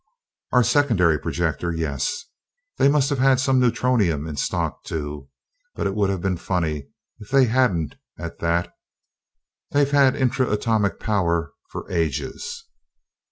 "Our secondary projector, yes. They must have had some neutronium in stock, too but it would have been funny if they hadn't, at that they've had intra atomic power for ages."